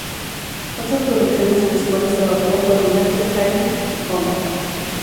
Otras producciones en las cuales trabajó fueron "Naked City", "Combat!